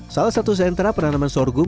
salah satu sentra penanaman sorghum